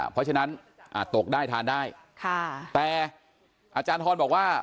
เพราะฉะนั้นตกได้ทานได้ค่ะแต่อาจารย์ทรบอกว่า